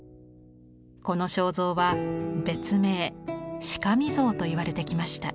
この肖像は別名「顰像」といわれてきました。